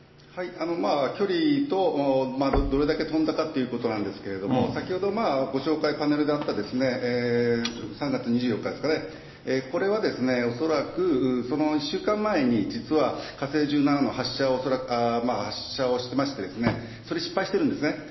距離とどれだけ飛んだかということなんですけれども、先ほどご紹介、パネルであった３月２４日ですかね、これは恐らく、その１週間前に実は、火星１７の発射を、発射をしてまして、それ、失敗してるんですね。